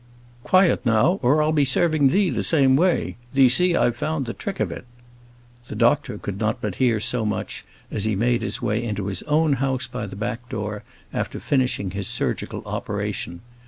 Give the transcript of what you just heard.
"Quiet now, or I'll be serving thee the same way; thee see I've found the trick of it." The doctor could not but hear so much as he made his way into his own house by the back door, after finishing his surgical operation.